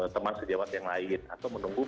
teman sejawat yang lain atau menunggu